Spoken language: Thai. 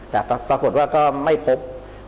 แต่ปรากฏว่าก็ไม่พบ